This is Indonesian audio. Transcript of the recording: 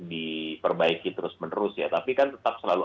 diperbaiki terus menerus ya tapi kan tetap selalu